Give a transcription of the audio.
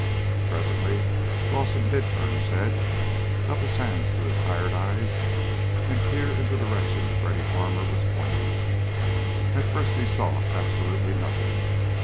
But presently Dawson did turn his head, cup his hands to his tired eyes, and peer in the direction Freddy Farmer was pointing. At first he saw absolutely nothing.